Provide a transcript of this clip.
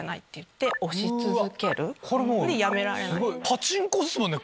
パチンコっすもんね